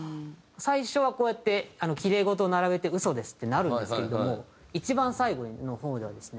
最初はこうやってきれい事を並べて「嘘です」ってなるんですけれども一番最後の方ではですね